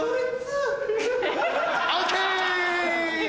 ＯＫ！